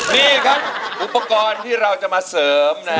นี่ครับอุปกรณ์ที่เราจะมาเสริม